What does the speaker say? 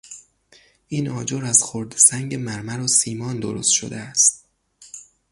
این آجر از خرده سنگ مرمر و سیمان درست شده است.